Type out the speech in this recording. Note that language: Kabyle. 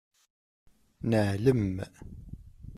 Neɛlem.